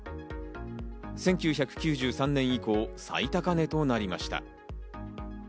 １９３０年以降、最高値となりました。